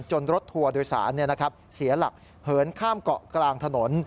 รถทัวร์โดยสารเสียหลักเหินข้ามเกาะกลางถนน